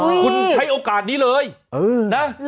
คุณใช้โอกาสนี้เลยเออนะหรอ